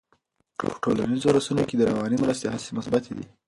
په ټولنیزو رسنیو کې د رواني مرستې هڅې مثبتې دي.